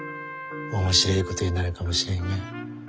面白えことになるかもしれんがや。